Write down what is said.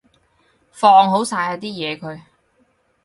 放好晒啲嘢佢